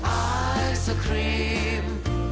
ไอศครีม